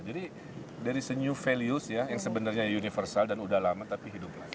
jadi dari new values ya yang sebenarnya universal dan sudah lama tapi hiduplah